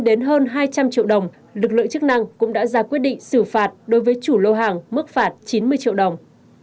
đến hơn hai trăm linh triệu đồng lực lượng chức năng cũng đã ra quyết định xử phạt đối với chủ lô hàng mức phạt chín mươi triệu đồng